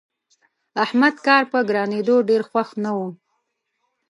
احمد کار په ګرانېدو ډېر خوښ نه وو.